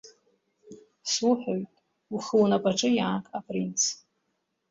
Суҳәоит, ухы унапаҿы иааг, апринц!